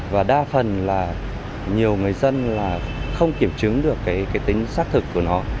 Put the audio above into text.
và đa phần là nhiều người dân không kiểm chứng được tính xác thực của nó